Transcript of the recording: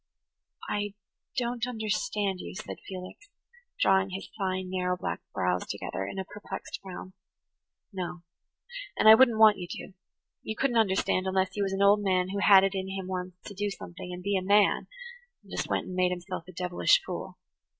"I don't understand you," said Felix, drawing his fine, narrow black brows together in a perplexed frown. "No–and I wouldn't want you to. You couldn't understand unless you was an old man who had it in him once to do something and be a man, and just went and made himself a devilish fool.